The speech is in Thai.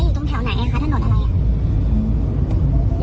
สำนักงานใหญ่ไปทันไทยอยู่ตรงแถวไหนอ่ะคะถนนอะไรอ่ะ